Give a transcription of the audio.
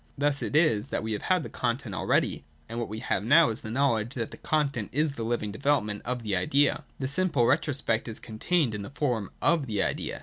Thus it is that we have had the content already, and I what we have now is the knowledge that the content is the living development of the idea. This simple retrospect is contained in the form of the idea.